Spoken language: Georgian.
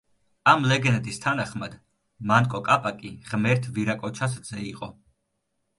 ამ ლეგენდის თანახმად, მანკო კაპაკი ღმერთ ვირაკოჩას ძე იყო.